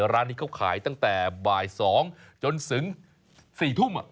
ร้านนี้เขาขายตั้งแต่บ่าย๒จนถึง๔ทุ่ม